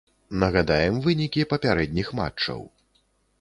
Нагадаем вынікі папярэдніх матчаў.